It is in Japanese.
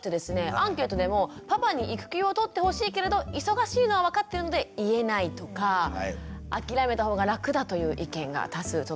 アンケートでもパパに育休を取ってほしいけれど忙しいのは分かってるので言えないとか諦めたほうが楽だという意見が多数届きました。